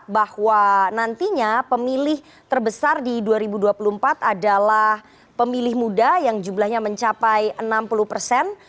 bahwa nantinya pemilih terbesar di dua ribu dua puluh empat adalah pemilih muda yang jumlahnya mencapai enam puluh persen